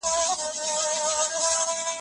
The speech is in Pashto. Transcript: لړمانو او مارانو له لاسه